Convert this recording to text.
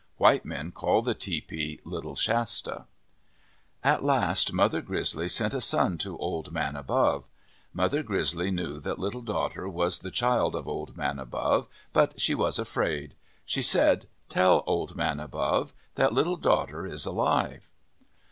White men call the tepee Little Shasta. At last Mother Grizzly sent a son to Old Man Above. Mother Grizzly knew that Little Daughter was the child of Old Man Above, but she was afraid. She said :" Tell Old Man Above that Little Daughter is alive."